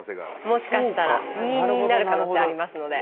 もしかしたら２−２になる可能性ありますので。